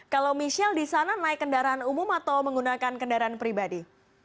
kalau michelle di sana naik kendaraan umum atau menggunakan kendaraan pribadi